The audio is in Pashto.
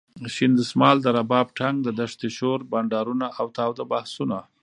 شین دسمال ،د رباب ټنګ د دښتې شور ،بنډارونه اوتاوده بحثونه.